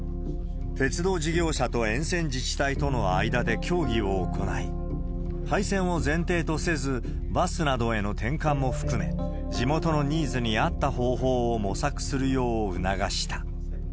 鉄道事業者と沿線自治体との間で協議を行い、廃線を前提とせず、バスなどへの転換も含め、地元のニーズに合った方法を模索するよう促した。